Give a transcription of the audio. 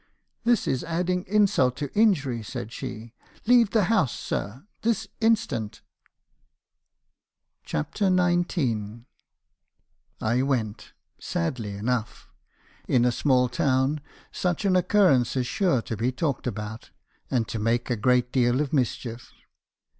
"'This is adding insult to injury,' said she. 'Leave the house, sir, this instant !' CHAPTER XIX. "I went, and sadly enough. In a small town such an oc currence is sure to be talked about, and to make a great deal of mischief.